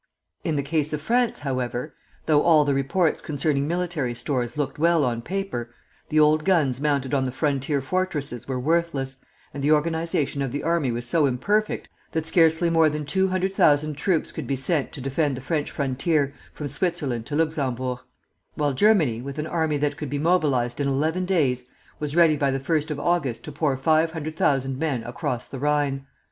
In the case of France, however, though all the reports concerning military stores looked well on paper, the old guns mounted on the frontier fortresses were worthless, and the organization of the army was so imperfect that scarcely more than two hundred thousand troops could be sent to defend the French frontier from Switzerland to Luxemburg; while Germany, with an army that could be mobilized in eleven days, was ready by the 1st of August to pour five hundred thousand men across the Rhine.